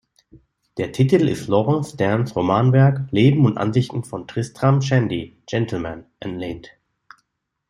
Der Titel ist Laurence Sternes Romanwerk "Leben und Ansichten von Tristram Shandy, Gentleman" entlehnt.